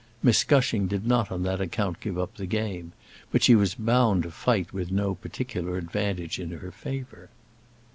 Miss Gushing did not on that account give up the game, but she was bound to fight with no particular advantage in her favour.